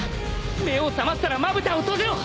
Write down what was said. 目を覚ましたらまぶたを閉じろ！